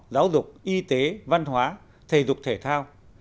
giáo dục y tế văn hóa thể dục thể thao